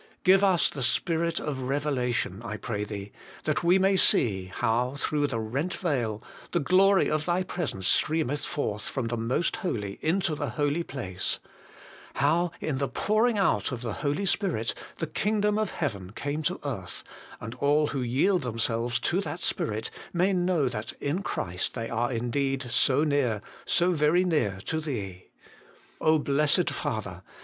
Give us the spirit of revelation, I pray Thee, that we may see how, through the rent veil, the glory of Thy Presence streameth forth from the Most Holy into the holy place ; how, in the pouring out of the Holy Spirit, the kingdom of heaven came to earth, and all who yield themselves to that Spirit may know that in Christ they are indeed so near, so very near to Thee. Blessed Father